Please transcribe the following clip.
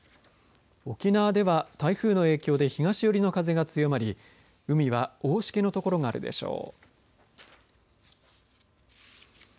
沖縄では台風の影響で東寄りの風が強まり海は大しけの所があるでしょう。